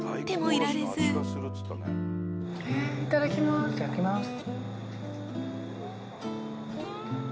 いただきます。